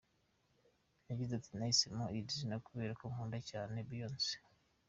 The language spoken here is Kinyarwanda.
Yagize ati "Nahisemo iri zina kubera ko nkunda cyane, Beyonce.